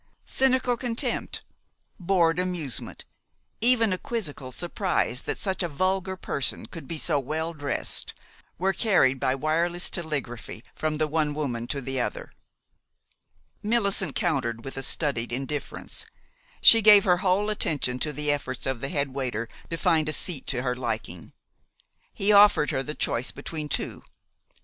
Cynical contempt, bored amusement, even a quizzical surprise that such a vulgar person could be so well dressed, were carried by wireless telegraphy from the one woman to the other. Millicent countered with a studied indifference. She gave her whole attention to the efforts of the head waiter to find a seat to her liking. He offered her the choice between two.